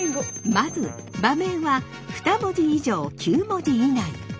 まず馬名は２文字以上９文字以内。